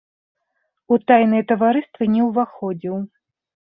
У тайныя таварыствы не ўваходзіў.